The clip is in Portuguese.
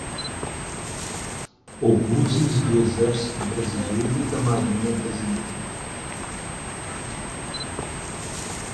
Obuses do exército brasileiro e da marinha brasileira